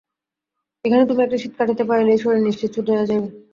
এখানে তুমি একটা শীত কাটাইতে পারিলেই শরীর নিশ্চিত শুধরাইয়া যাইবে।